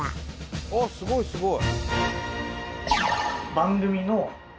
あっすごいすごい！